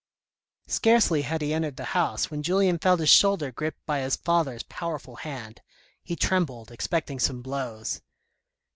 Scarcely had he entered the house, when Julien felt his shoulder gripped by his father's powerful hand ; he trembled, expecting some blows.